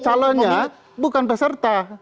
calonnya bukan peserta